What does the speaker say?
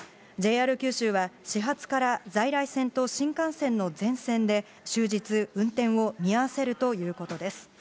ＪＲ九州は、始発から在来線と新幹線の全線で、終日、運転を見合わせるということです。